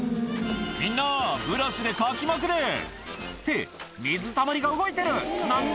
「みんなブラシでかきまくれ」って水たまりが動いてる何だ？